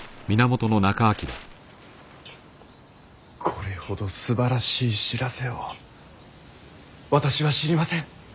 これほどすばらしい知らせを私は知りません。